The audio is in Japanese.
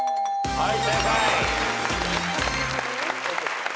はい。